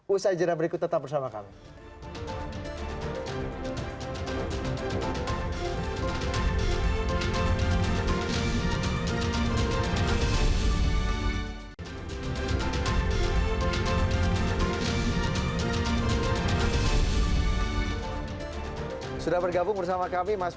usai jenak berikut tetap bersama kami